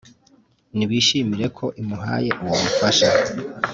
Nibishimire ko imuhaye uwo mufasha